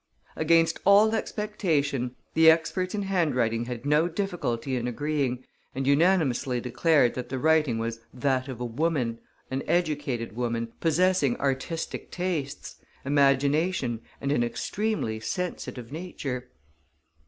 Against all expectation, the experts in handwriting had no difficulty in agreeing and unanimously declared that the writing was "that of a woman, an educated woman, possessing artistic tastes, imagination and an extremely sensitive nature."